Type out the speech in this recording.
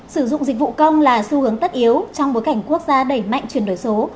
sử dụng dịch vụ công là xu hướng tất yếu trong bối cảnh quốc gia đẩy mạnh chuyển đổi số